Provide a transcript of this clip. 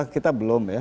kita belum ya